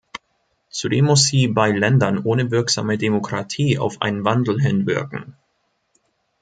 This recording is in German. Zudem muss sie bei Ländern ohne wirksame Demokratie auf einen Wandel hinwirken.